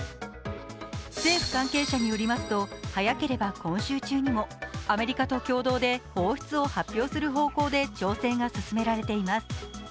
政府関係者によりますと、早ければ今週中にもアメリカと共同で放出を発表する方向で調整が進められています。